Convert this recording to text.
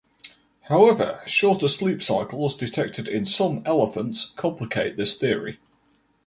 However, shorter sleep cycles detected in some elephants complicate this theory.